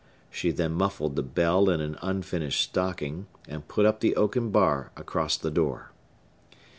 She then muffled the bell in an unfinished stocking, and put up the oaken bar across the door.